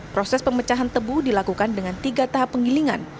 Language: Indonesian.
proses pemecahan tebu dilakukan dengan tiga tahap penggilingan